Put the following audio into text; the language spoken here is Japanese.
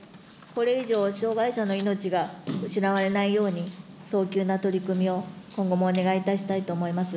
これ以上、障害者の命が失われないように、早急な取り組みを今後もお願いしたいと思います。